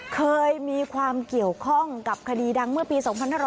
เคยมีความเกี่ยวข้องกับคดีดังเมื่อปี๒๕๕๙